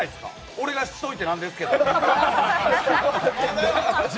俺がしといて何ですけど。